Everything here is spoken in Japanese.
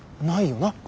ないよな。